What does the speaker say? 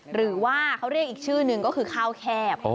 หรือว่าเขาเรียกอีกชื่อนึงก็คือข้าวแคบ